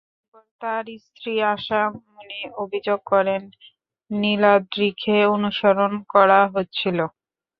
এরপর তাঁর স্ত্রী আশা মনি অভিযোগ করেন, নীলাদ্রিকে অনুসরণ করা হচ্ছিল।